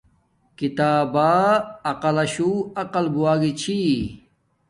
کتاب با بد عقل لشو عقل بُووگی چھی